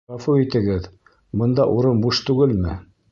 — Ғәфү итегеҙ, бында урын буш түгелме?